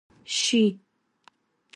شي،